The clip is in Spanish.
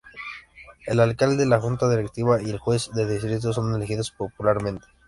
El Alcalde, la Junta Directiva y el Juez de Distrito son elegidos popularmente.